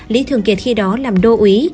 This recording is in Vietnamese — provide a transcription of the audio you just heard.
lý thường kiệt khi đó làm đô úy